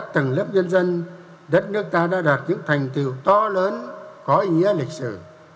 và các tầng lớp dân dân đất nước ta đã đạt những thành tựu to lớn có ý nghĩa lịch sử